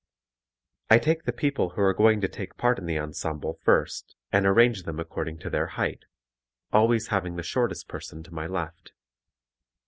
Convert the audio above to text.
I take the people who are going to take part in the ensemble first and arrange them according to their height, always having the shortest person to my left.